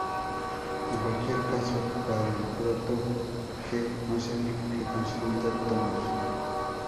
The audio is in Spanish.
En cualquier caso para el proto-gê no se han reconstruido tonos.